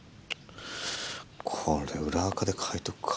これ裏垢で書いとくか。